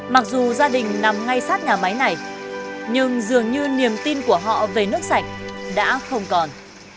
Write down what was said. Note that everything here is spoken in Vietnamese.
mặc dù gia đình nằm ngay sát nhà máy này nhưng dường như niềm tin của họ về nước sạch đã không còn